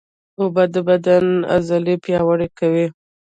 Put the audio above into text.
اوبه د بدن عضلې پیاوړې کوي